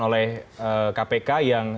oleh kpk yang